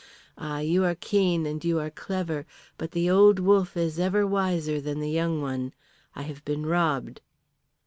Ah, you are keen and you are clever, but the old wolf is ever wiser than the young one. I have been robbed."